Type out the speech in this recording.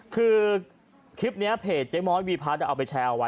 คือคลิปนี้เพจเจ๊ม้อยวีพัฒน์เอาไปแชร์เอาไว้